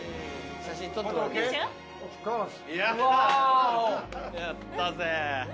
やったぜ。